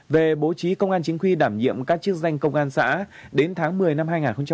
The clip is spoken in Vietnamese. về bố trí công an chính quy đảm nhiệm các chức danh công an xã đến tháng một mươi năm hai nghìn hai mươi ba